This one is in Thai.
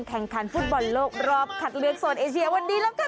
แข่งขันฟุตบอลโลกรอบคัดเลือกโซนเอเชียวันนี้แล้วกัน